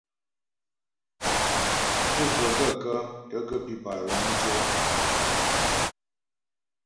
Pú ghə̀ gaə̂kə́ tə ghə́ pípà lɔ́mdyə́ ?